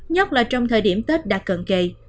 nhất là trong thời điểm tết đã cần kề